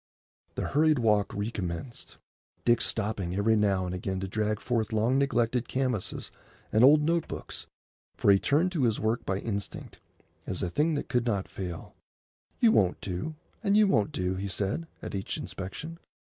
The hurried walk recommenced, Dick stopping every now and again to drag forth long neglected canvases and old note books; for he turned to his work by instinct, as a thing that could not fail. "You won't do, and you won't do," he said, at each inspection.